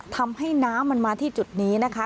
ทำให้น้ำมันมาที่จุดนี้นะคะ